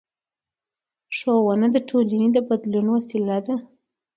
ښوونه د ټولنې د بدلون وسیله ده